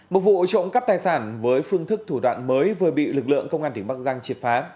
một vụ trộm cắp tài sản với phương thức thủ đoạn mới vừa bị lực lượng công an tỉnh bắc giang triệt phá